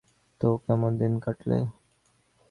তো, কেমন দিন কাটালে?